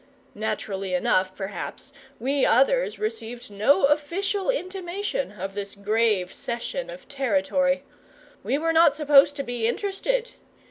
Naturally enough, perhaps, we others received no official intimation of this grave cession of territory. We were not supposed to be interested.